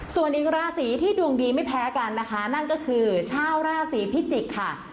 ส่วนอีกราศีที่ดวงดีไม่แพ้กันนะคะนั่นก็คือชาวราศีพิจิกษ์ค่ะ